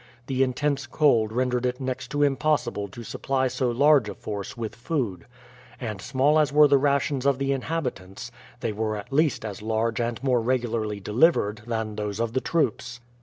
The intense cold rendered it next to impossible to supply so large a force with food; and small as were the rations of the inhabitants, they were at least as large and more regularly delivered than those of the troops.